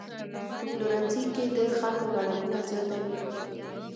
په پلورنځي کې د خلکو ګڼه ګوڼه زیاته وي.